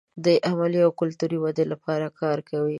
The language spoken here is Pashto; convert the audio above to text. د علمي او کلتوري ودې لپاره کار کوي.